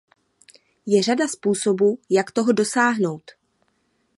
Je řada způsobů, jak toho dosáhnout.